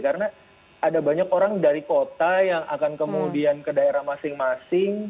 karena ada banyak orang dari kota yang akan kemudian ke daerah masing masing